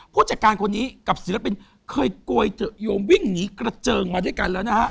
ผู้จัดการคนนี้กับศิลปินเคยโกยเถอะโยมวิ่งหนีกระเจิงมาด้วยกันแล้วนะฮะ